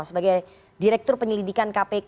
sebagai direktur penyelidikan kpk